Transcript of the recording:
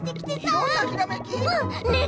うん！ねえ